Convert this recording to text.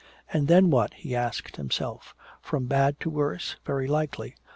And then what, he asked himself. "From bad to worse, very likely.